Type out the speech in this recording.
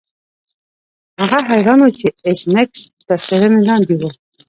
هغه حیران نه و چې ایس میکس تر څیړنې لاندې و